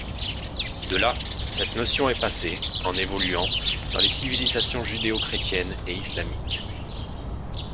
De là, cette notion est passée, en évoluant, dans les civilisations judéo-chrétienne et islamique.